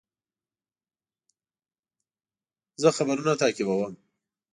زه خبرونه تعقیبوم.